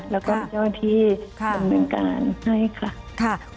แล้วก็มีเจ้าที่ดำเนินการให้ค่ะ